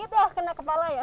sakit ya kena kepala ya